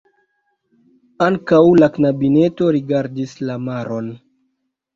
Ankaŭ la knabineto rigardis la maron.